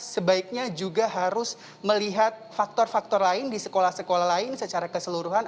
sebaiknya juga harus melihat faktor faktor lain di sekolah sekolah lain secara keseluruhan